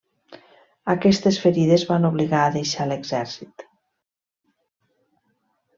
Aquestes ferides van obligar a deixar l'exèrcit.